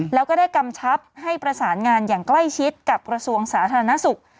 แล้วก็ได้กำชับให้ประสานงานอย่างใกล้ชิดกับกระทรวงสาธารณสุข